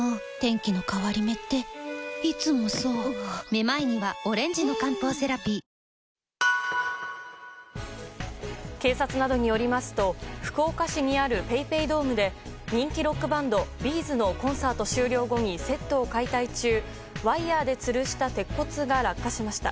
めまいにはオレンジの漢方セラピー警察などによりますと福岡市にあるＰａｙＰａｙドームで人気ロックバンドＢ’ｚのコンサート終了後にセットを解体中ワイヤでつるした鉄骨が落下しました。